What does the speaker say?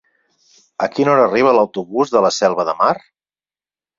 A quina hora arriba l'autobús de la Selva de Mar?